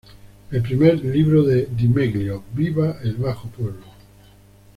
El primer libro de Di Meglio, "¡Viva el bajo pueblo!